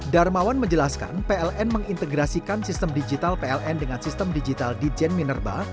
darmawan menjelaskan pln mengintegrasikan sistem digital pln dengan sistem digital di jen minerba